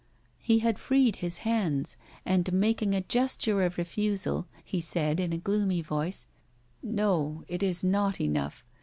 He had freed his hands, and making a gesture of refusal, he said, in a gloomy voice: 'No, it is not enough!